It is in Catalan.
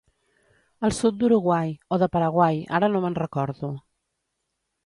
Al sud d'Uruguai, o de Paraguai, ara no me'n recordo.